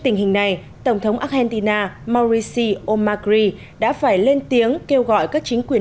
tình hình này tổng thống argentina mauricio macri đã phải lên tiếng kêu gọi các chính quyền